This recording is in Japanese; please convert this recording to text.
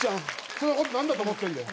人のこと何だと思ってんだよ。